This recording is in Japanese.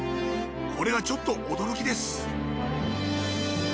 これがちょっと驚きです